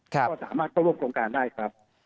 ก็สามารถเข้าร่วมโครงการได้ครับ